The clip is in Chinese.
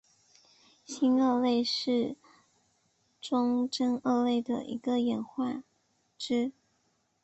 新鳄类是中真鳄类的一个演化支。